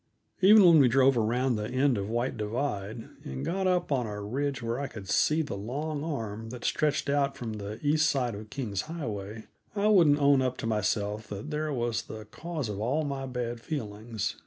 Even when we drove around the end of White Divide, and got up on a ridge where I could see the long arm that stretched out from the east side of King's Highway, I wouldn't own up to myself that there was the cause of all my bad feelings.